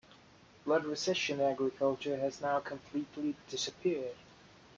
Flood recession agriculture has now completely disappeared.